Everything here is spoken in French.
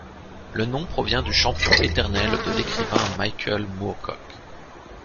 Le nom provient du Champion éternel de l'écrivain Michael Moorcock.